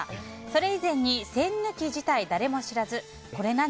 それ以前に栓抜き自体誰も知らずこれ何？